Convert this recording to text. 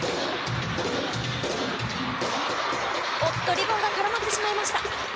リボンが絡まってしまいました。